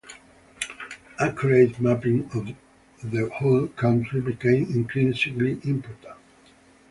Accurate mapping of the whole country became increasingly important.